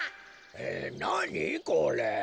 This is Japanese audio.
えなにこれ？